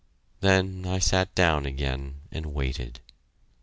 Then I sat down again and waited.